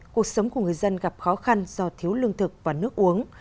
cuộc sống của người dân gặp khó khăn do thiếu lương thực và nước uống